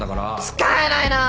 使えないなあ。